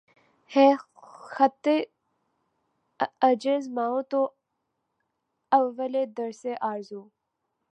ہے خطِ عجز مَاو تُو اَوّلِ درسِ آرزو